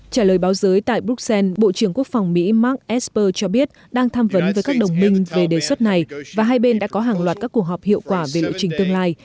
trả lời báo giới tại bruxelles bộ trưởng quốc phòng mỹ mark esper cho biết đang tham vấn với các đồng minh về đề xuất này và hai bên đã có hàng loạt các cuộc họp hiệu quả về lộ trình tương lai